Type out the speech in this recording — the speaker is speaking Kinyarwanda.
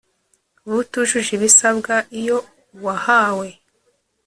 b Utujuje ibisabwa iyo uwahawe